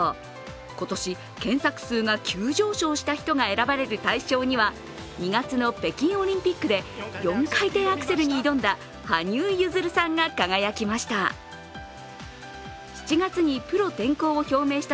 今年、検索数が急上昇した人が選ばれる大賞には２月の北京オリンピックで４回転アクセルに挑んだ羽生結弦さんが輝きました。